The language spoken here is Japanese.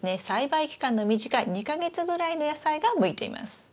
栽培期間の短い２か月ぐらいの野菜が向いています。